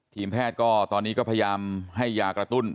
ทีมแพทย์ก็ตอนนี้ก็พยายามให้ยากระตุ้น